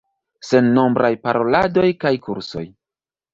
Sennombraj paroladoj kaj kursoj.